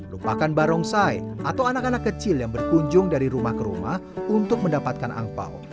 lupakan barongsai atau anak anak kecil yang berkunjung dari rumah ke rumah untuk mendapatkan angpao